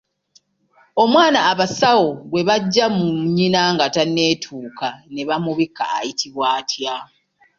Omwana abasawo gwe baggya mu nnyina nga tannatuuka ne bamubikka ayitibwa atya?